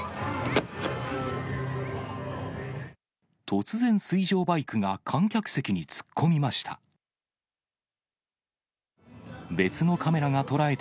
突然、水上バイクが観客席に突っ込みました。